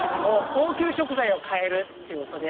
高級食材をかえるっていうことで。